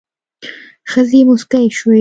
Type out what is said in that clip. ښځې موسکې شوې.